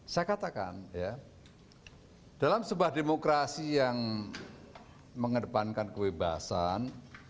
saya katakan ya dalam sebuah demokrasi yang mengedepankan kebebasan